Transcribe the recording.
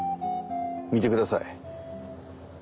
見てください。